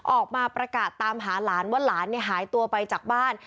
ออกมาประกาศตามหาหลานว่าหลานหายตัวไปจากบ้าน